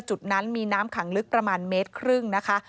จุดนั้นมีน้ำขังลึกประมาณเมตรครึ่งนะคะ